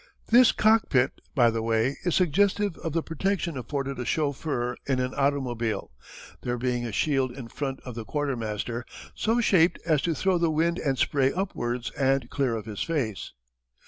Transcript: This cockpit, by the way, is suggestive of the protection afforded a chauffeur in an automobile, there being a shield in front of the quartermaster, so shaped as to throw the wind and spray upwards and clear of his face.